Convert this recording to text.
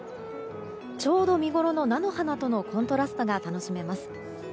ちょうど見ごろの菜の花とのコントラストが楽しめます。